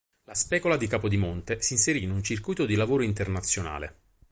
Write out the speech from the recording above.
La specola di Capodimonte s'inserì in un circuito di lavoro internazionale.